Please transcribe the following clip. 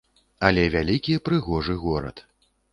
Але вялікі, прыгожы горад.